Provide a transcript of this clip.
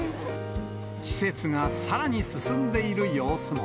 季節がさらに進んでいる様子も。